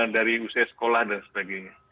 dari usia sekolah dan sebagainya